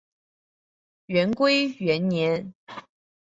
元龟元年。